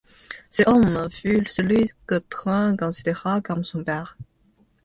Cet homme fut celui que Train considéra comme son père.